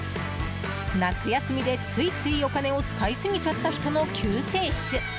夏休みでついついお金を使い過ぎちゃった人の救世主。